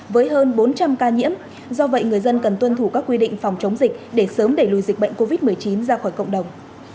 với hơn bốn trăm linh ca nhiễm do vậy người dân cần tuân thủ các quy định phòng chống dịch để sớm đẩy lùi dịch bệnh covid một mươi chín ra khỏi cộng đồng